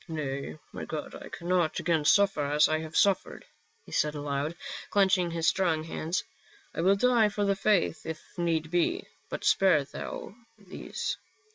" Nay, my God, I cannot again suffer as I have suffered," he said aloud, clenching his strong hands. *' I will die for the faith if need be, but spare thou these."